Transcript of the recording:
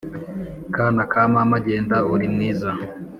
Kana ka mama genda uri mwiza